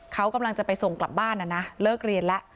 เขากำลังจะไปส่งกลับบ้านนะนะเลิกเรียนแล้ว